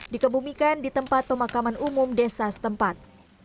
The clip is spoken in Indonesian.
dikebumikan di tempat pemakaman umum desa setempat